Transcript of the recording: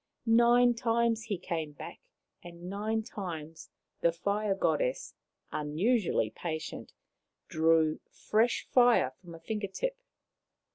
Nine times he came back, and nine times the Fire Goddess, unusually patient, drew fresh fire from a finger tip.